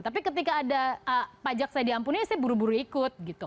tapi ketika ada pajak saya diampuni saya buru buru ikut gitu